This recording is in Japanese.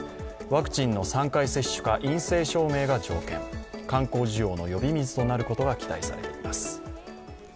ワクチンの３回接種か陰性証明が条件、観光需要の呼び水となることが期待されています。